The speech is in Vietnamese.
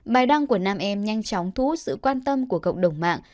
bài đăng của nam em nhanh chóng thú sự quan tâm của cộng đồng mạng